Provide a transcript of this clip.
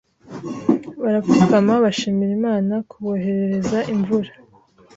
Barapfukama bashimira Imana kuboherereza imvura.